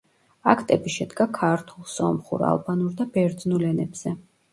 აქტები შედგა ქართულ, სომხურ, ალბანურ და ბერძნულ ენებზე.